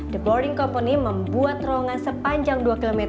the boarding company membuat ruangan sepanjang dua km